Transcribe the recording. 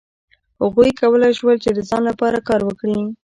هغوی کولای شول چې د ځان لپاره کار وکړي.